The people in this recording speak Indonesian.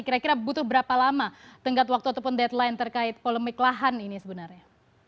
kira kira butuh berapa lama tenggat waktu ataupun deadline terkait polemik lahan ini sebenarnya